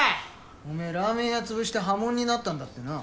おめぇラーメン屋潰して破門になったんだってな。